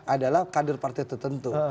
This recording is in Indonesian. adalah kadir partai tertentu